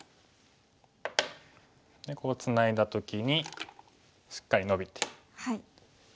でこうツナいだ時にしっかりノビて。